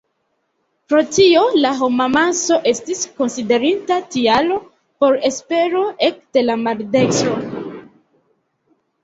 Pro tio la homamaso estis konsiderita tialo por espero ekde la maldekstro.